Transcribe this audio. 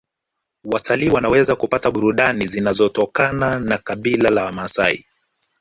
Watalii wanaweza kupata burudani zinazotokana na kabila la maasai